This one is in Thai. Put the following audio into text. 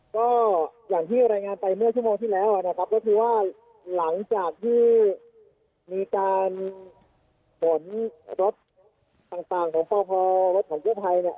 ก็อย่างที่รายงานไปเมื่อชั่วโมงที่แล้วนะครับก็คือว่าหลังจากที่มีการขนรถต่างของพอรถของกู้ภัยเนี่ย